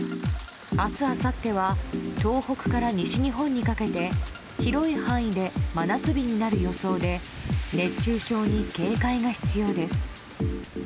明日あさっては東北から西日本にかけて広い範囲で真夏日になる予想で熱中症に警戒が必要です。